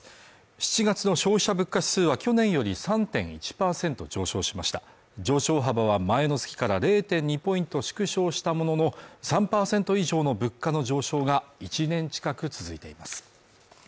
７月の消費者物価指数は去年より３．１％上昇しました上昇幅は前の月から０．２ポイント縮小したものの３％以上の物価の上昇が１年近く続いています